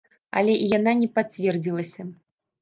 Але і яна не пацвердзілася.